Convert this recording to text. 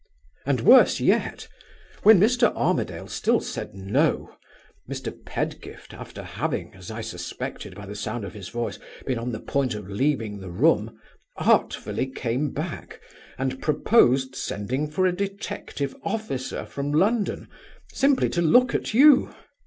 And worse yet: when Mr. Armadale still said No, Mr. Pedgift, after having, as I suspected by the sound of his voice, been on the point of leaving the room, artfully came back, and proposed sending for a detective officer from London, simply to look at you.